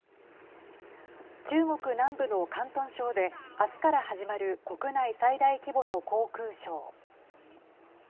中国南部の広東省で明日から始まる国内最大規模の航空ショー。